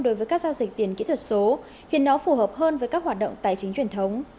đối với các giao dịch tiền kỹ thuật số khiến nó phù hợp hơn với các hoạt động tài chính truyền thống